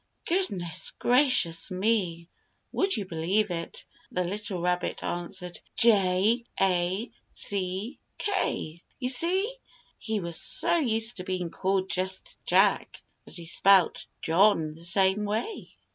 Goodness gracious me! Would you believe it, the little rabbit answered "J A C K!" You see, he was so used to being called just "Jack" that he spelt "John" the same way.